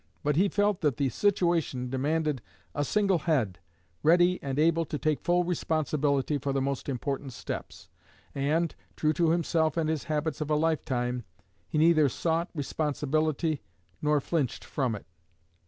But he felt that the situation demanded a single head, ready and able to take full responsibility for the most important steps; and, true to himself and his habits of a lifetime, he neither sought responsibility nor flinched from it.